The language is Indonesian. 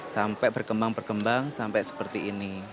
sampai berkembang berkembang sampai seperti ini